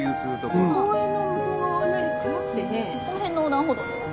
この辺の横断歩道です